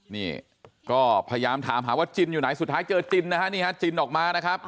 นี่ก็พยายามถามหาว่าจินอยู่ไหนสุดท้ายเจอจินนะฮะนี่ฮะจินออกมานะครับ